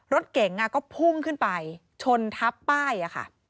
รถเก๋งก็พุ่งขึ้นไปชนทับป้ายค่ะ